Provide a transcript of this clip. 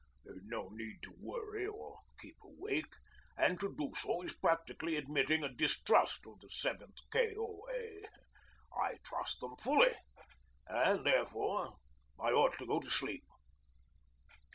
There is no need to worry or keep awake, and to do so is practically admitting a distrust of the 7th K.O.A. I trust them fully, and therefore I ought to go to sleep.'